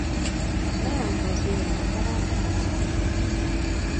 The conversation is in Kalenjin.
Mean kosirin kasaratak kararan we.